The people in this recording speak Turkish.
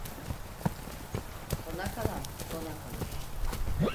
Sona kalan donakalır.